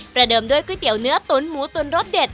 เดิมด้วยก๋วยเตี๋ยวเนื้อตุ๋นหมูตุ๋นรสเด็ด